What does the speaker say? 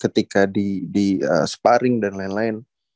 ketika di sparring dan lain lain